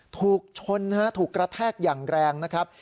ถูกชนนะฮะถูกกระแทกอย่างแรงนะครับ